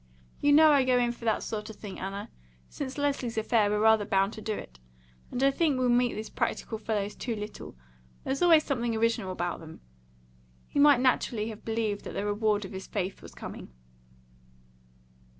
"You know I go in for that sort of thing, Anna. Since Leslie's affair we're rather bound to do it. And I think we meet these practical fellows too little. There's always something original about them." He might naturally have believed that the reward of his faith was coming.